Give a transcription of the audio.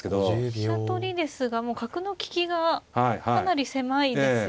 飛車取りですがもう角の利きがかなり狭いですよね。